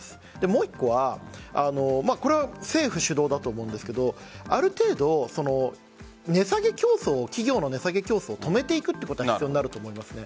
もう１個は政府主導だと思うんですがある程度企業の値下げ競争を止めていくことが必要になると思います。